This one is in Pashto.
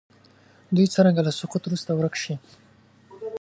دوی څرنګه له سقوط وروسته ورک شي.